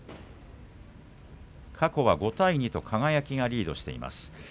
過去は５対２と輝がリードしています。